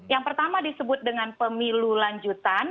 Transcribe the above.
yang pertama disebut dengan pemilu lanjutan